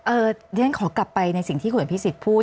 ดิฉันขอกลับไปในสิ่งที่คุณอาพิสิทธิ์พูด